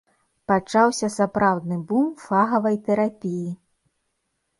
Пачаўся сапраўдны бум фагавай тэрапіі.